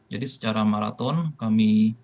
jadi secara maraton kami